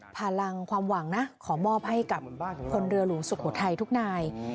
พลังความหวังนะขอมอบให้กับคนเรือหลวงสุโขทัยทุกนาย